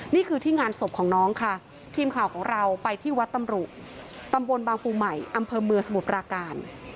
นี่คือที่งานศพของน้องค่ะทีมข่าวของเราไปที่วัดตำรุตำบลบางปูใหม่อำเภอเมืองสมุทรปราการ